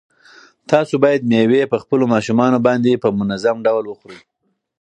تاسو باید مېوې په خپلو ماشومانو باندې په منظم ډول وخورئ.